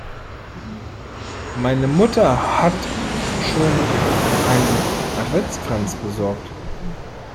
Meine Mutter hat schon einen Adventskranz besorgt.